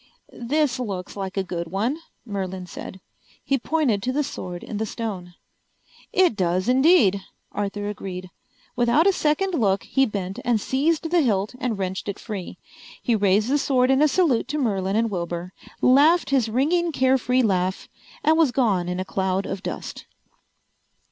"This looks like a good one," Merlin said. He pointed to the sword in the stone. "It does indeed," Arthur agreed. Without a second look he bent and seized the hilt and wrenched it free. He raised the sword in a salute to Merlin and Wilbur, laughed his ringing carefree laugh, and was gone in a cloud of dust.